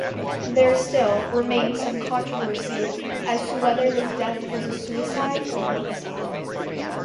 There still remains some controversy as to whether his death was suicide or homicide.